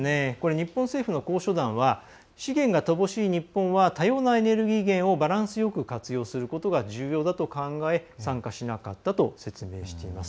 日本政府の交渉団は資源が乏しい日本は多様なエネルギー源をバランスよく活用することが重要だと考え参加しなかったと説明しています。